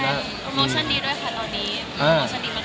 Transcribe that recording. มีโปรโมชั่นดีมาก